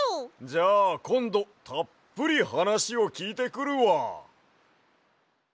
じゃあこんどたっぷりはなしをきいてくるわ。